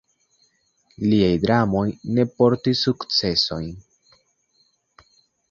Liaj dramoj ne portis sukcesojn.